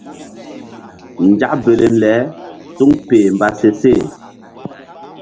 Nzak belem le suŋ peh mba se seh.